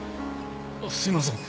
すいません。